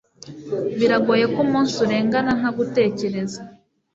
Biragoye ko umunsi urengana ntagutekereza.